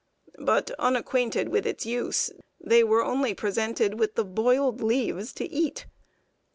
But, unacquainted with its use, they were only presented with the boiled leaves to eat!